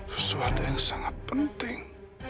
sesuatu yang sangat penting